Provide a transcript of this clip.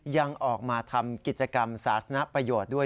ยังออกมาทำกิจกรรมสาธารณประโยชน์ด้วย